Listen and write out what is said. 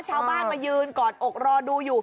ชาวบ้านมายืนกอดอกรอดูอยู่